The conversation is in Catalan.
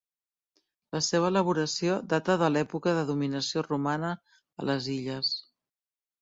La seva elaboració data de l'època de dominació romana a les illes.